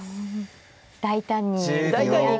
大胆に。